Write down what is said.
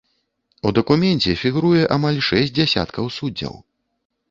У дакуменце фігуруе амаль шэсць дзясяткаў суддзяў.